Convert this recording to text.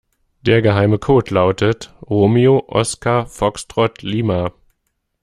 Der geheime Code lautet Romeo Oskar Foxtrott Lima.